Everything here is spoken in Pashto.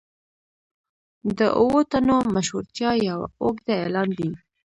د اوو تنو مشهورتیا یو اوږده اعلان دی.